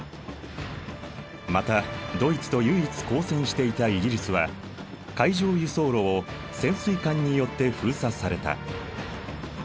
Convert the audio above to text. またドイツと唯一抗戦していたイギリスは海上輸送路を潜水艦によって封鎖された。